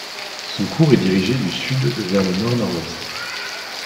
Son cours est dirigé du sud vers le nord-nord-ouest.